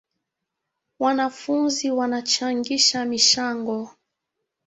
Wanafunzi wanachangisha michango